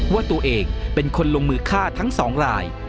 ว่าตัวเองเป็นคนลงมือฆ่าทั้งสองราย